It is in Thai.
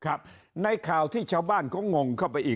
คราวนี้เจ้าหน้าที่ป่าไม้รับรองแนวเนี่ยจะต้องเป็นหนังสือจากอธิบดี